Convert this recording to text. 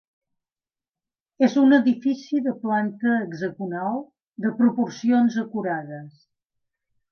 És un edifici de planta hexagonal de proporcions acurades.